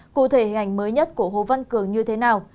cụ thể hình ảnh mới nhất của hồ văn cường như thế nào